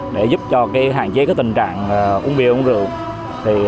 để giúp cho hạn chế tình trạng uống bia uống rượu